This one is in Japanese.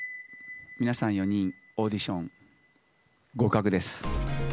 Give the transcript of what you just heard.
皆さん４人、オーディション、合格です。